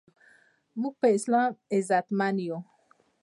مونږ په اسلام عزتمند یو